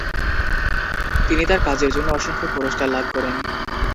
তিনি তাঁর কাজের জন্য অসংখ্য পুরস্কার লাভ করেন।